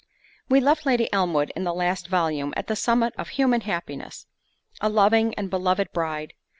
We left Lady Elmwood in the last volume at the summit of human happiness; a loving and beloved bride.